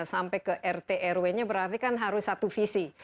sampai ke rt rw nya berarti kan harus satu visi